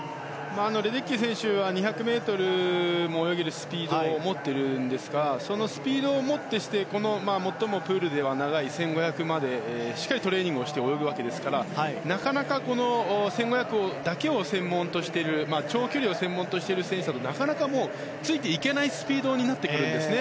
レデッキー選手は２００ｍも泳げるスピードを持っているんですがそのスピードをもってして最もプールでは長い１５００までしっかりトレーニングをして泳ぐわけですからなかなか１５００だけを専門としている長距離を専門としている選手はなかなかついていけないスピードになってくるんです。